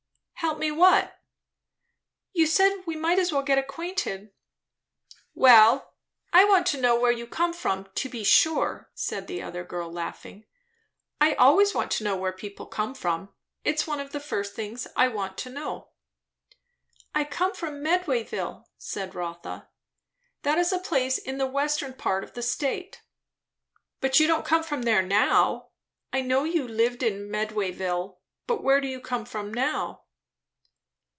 "Help me what?" "You said we might as well get acquainted." "Well I want to know where you come from, to be sure," said the other girl laughing. "I always want to know where people come from. It's one of the first things I want to know." "I come from Medwayville," said Rotha. "That is a place in the western part of the state." "But you don't come from there now. I know you did live in Medwayville. But where do you come from now?"